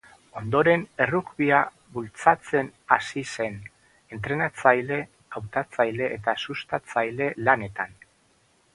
Ondoren errugbia bultzatzen hasi zen, entrenatzaile, hautatzaile eta sustatzaile lanetan.